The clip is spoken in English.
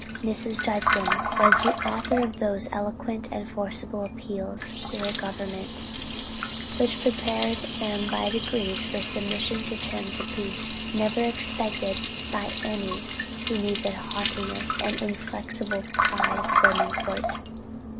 "Mrs. Judson was the author of those eloquent and forcible appeals to the government, which prepared them by degrees for submission to terms of peace, never expected by any who knew the haughtiness and inflexible pride of the Burman court.